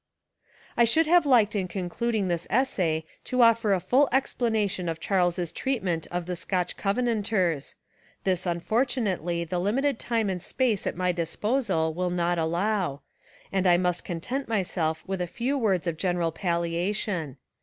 I should have liked in concluding this essay to offer a full explanation of Charles's treat ment of the Scotch Covenanters. This unfor tunately the limited time and space at my dis posal will not allow, and I must content myself with a few words of general palliation.